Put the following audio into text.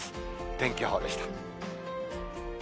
天気予報でした。